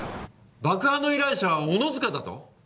爆破の依頼者は小野塚だと！？